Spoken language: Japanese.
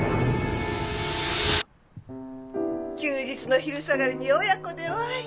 休日の昼下がりに親子でワイン。